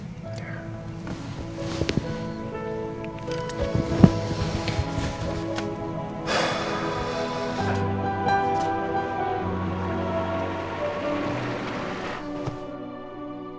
terima kasih allah